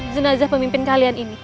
zenazah pemimpin kalian ini